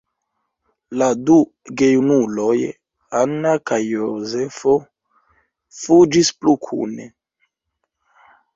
La du gejunuloj, Anna kaj Jozefo, fuĝis plu kune.